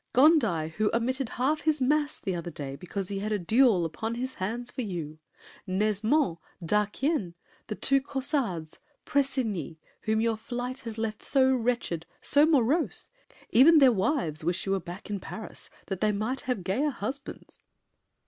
Gondi, who omitted half his Mass The other day, because he had a duel Upon his hands for you? Nesmond, D'Arquien, The two Caussades, Pressigny, whom your flight Has left so wretched, so morose, even Their wives wish you were back in Paris, that They might have gayer husbands!